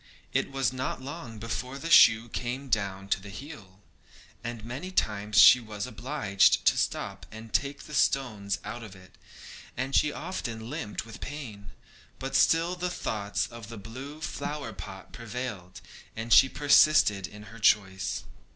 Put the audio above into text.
It was not long before the shoe came down at the heel, and many times she was obliged to stop to take the stones out of it, and she often limped with pain; but still the thoughts of the blue flower pot prevailed, and she persisted in her choice.